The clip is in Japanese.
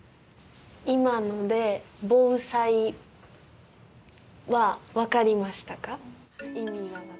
今ので防災は分かりましたか？